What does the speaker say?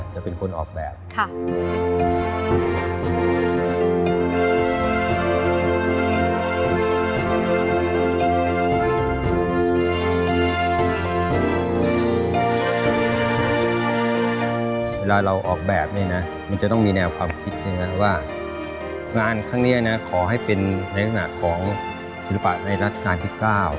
จะเป็นคนออกแบบนี้นะมันจะต้องมีแนวความคิดอย่างนั้นว่างานข้างนี้นะขอให้เป็นในลักษณะของศิลปะในรัฐกาลที่๙